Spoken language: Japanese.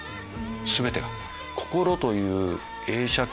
全てが。